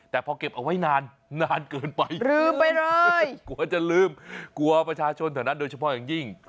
แต่พอเก็บเอาไว้นานนานเกินไปลืมไปเลยกลัวจะลืมกลัวประชาชนแถวนั้นโดยเฉพาะอย่างยิ่ง